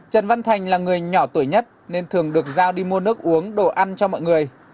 trần văn thành là người nhỏ tuổi nhất nên thường được giao đi mua nước uống đồ ăn cho mọi người